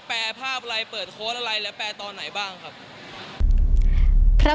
แปรภาพอะไรเปิดโค้ดอะไรและแปลตอนไหนบ้างครับ